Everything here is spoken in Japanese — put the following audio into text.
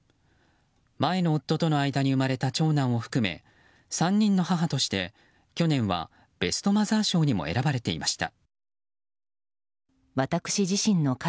前の夫との間に生まれた長男を含め３人の母として去年はベストマザー賞にも選ばれていました。